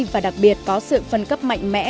và đặc biệt có sự phân cấp mạnh mẽ